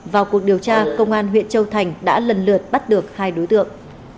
vào cuộc điều tra công an huyện châu thành đã lần lượt bắt được hai đối tượng